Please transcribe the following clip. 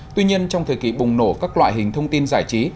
tuy nhiên trong thời kỳ bùng nổ các loại hình thông tin giải trí